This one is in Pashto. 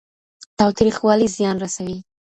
تاوتريخوالی زيان رسوي.